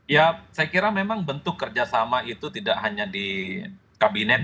ya saya kira memang bentuk kerjasama itu tidak hanya di kabinet